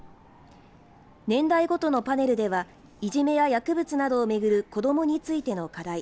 年代ごとのパネルではいじめや薬物などを巡る子どもについての課題。